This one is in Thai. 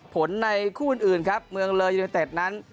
ผลในคู่อื่นครับเมืองเลอร์ยูนิเต็ตนั้น